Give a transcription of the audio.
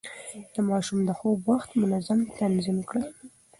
د ماشوم د خوب وخت منظم تنظيم کړئ.